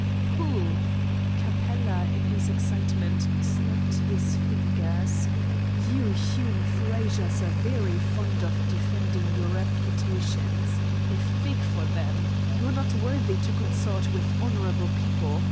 "Pooh!" Capella, in his excitement, snapped his fingers. "You Hume Frazers are very fond of defending your reputations. A fig for them! You are not worthy to consort with honourable people.